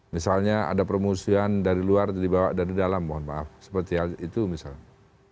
misalnya ada promosian dari luar dibawa dari dalam mohon maaf seperti hal itu misalnya